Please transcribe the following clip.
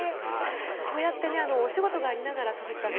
こうやってお仕事がありながら佐々木さん